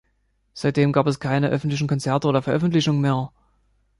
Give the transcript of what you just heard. Seitdem gab es keine öffentliche Konzerte oder Veröffentlichungen mehr.